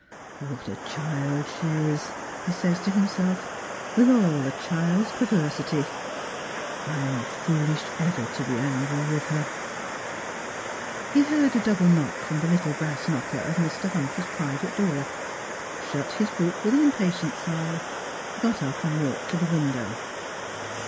" What a child she is," he says to himself, " with all a child's perversity ! I am foolish ever to be angry with her." He heard a double knock from the little brass knocker of Mr. Humphreys' private door, shut his book with an impatient sigh, got up and walked to the window.